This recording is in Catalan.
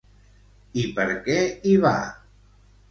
I per què hi va?